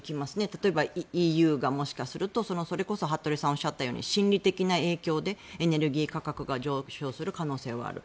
例えば、ＥＵがもしかするとそれこそ服部さんがおっしゃったように心理的な影響でエネルギー価格が上昇する可能性はある。